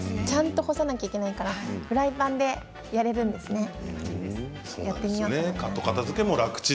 ちゃんと干さなければいけないからフライパンでやれるんですね。